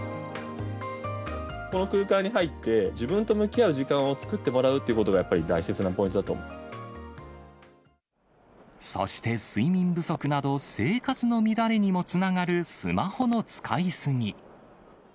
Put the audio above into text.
この空間に入って、自分と向き合う時間を作ってもらうっていうことがやっぱり大切なそして、睡眠不足など、生活の乱れにもつながるスマホの使い過ぎ。